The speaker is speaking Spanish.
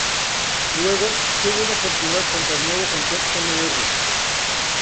Luego, tuvo una oportunidad contra el nuevo campeón Mr.